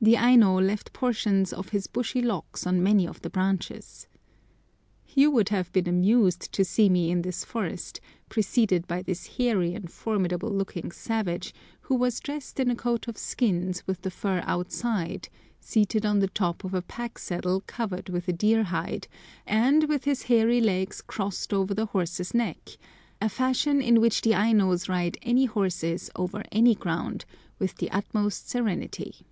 The Aino left portions of his bushy locks on many of the branches. You would have been amused to see me in this forest, preceded by this hairy and formidable looking savage, who was dressed in a coat of skins with the fur outside, seated on the top of a pack saddle covered with a deer hide, and with his hairy legs crossed over the horse's neck—a fashion in which the Ainos ride any horses over any ground with the utmost serenity.